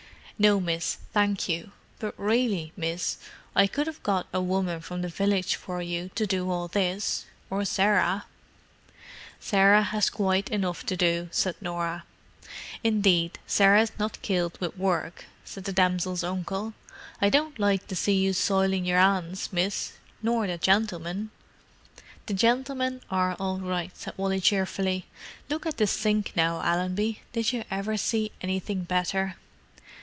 "No, miss, thank you. But really, miss—I could 'ave got a woman from the village for you, to do all this. Or Sarah." "Sarah has quite enough to do," said Norah. "Indeed, Sarah's not killed with work," said that damsel's uncle. "I don't like to see you soilin' your 'ands, miss. Nor the gentlemen." "The gentlemen are all right," said Wally cheerfully. "Look at this sink, now, Allenby; did you ever see anything better?"